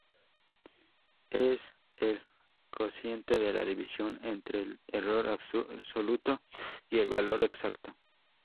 Es el cociente de la división entre el error absoluto y el valor exacto.